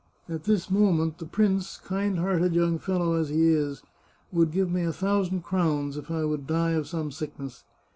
At this moment the prince, kind hearted young fellow as he is, would give a thousand crowns if I would die of some sick ness.